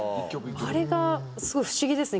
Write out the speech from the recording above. あれがすごい不思議ですね。